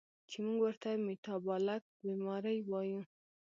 چې مونږ ورته ميټابالک بیمارۍ وايو